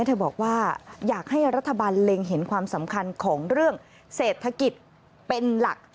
เธอบอกว่าอยากให้รัฐบาลเล็งเห็นความสำคัญของเรื่องเศรษฐกิจเป็นหลัก